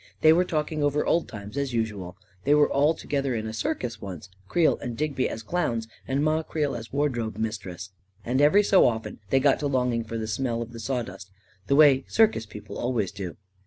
They were talking over old times as usual — they were all to gether in a circus, once, Creel and Digby as clowns and Ma Creel as wardrobe mistress — and every so often they got to longing for the smell of the sawdust, the way circus people always do.